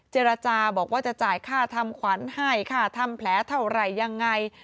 เจรจาบอกว่าจะจ่ายค่าทำขวัญให้ค่าทำแผลเท่าไหร่ยังไง